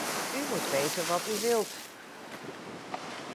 U moet weten wat u wilt.